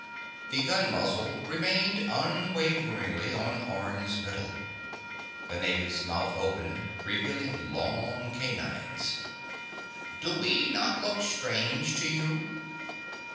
The gun muzzle remained unwaveringly on Orne's middle. The native's mouth opened, revealing long canines. "Do we not look strange to you?"